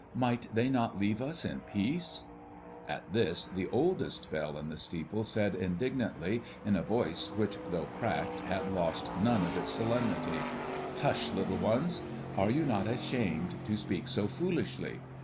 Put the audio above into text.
Might they not leave us in peace?" At this the oldest bell in the steeple said indignantly, in a voice which though cracked had lost none of its solemnity, "Hush, little ones! Are you not ashamed to speak so foolishly?